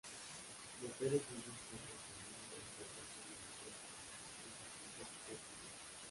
Los seres vivos cuentan con una gran proporción de nitrógeno en su composición química.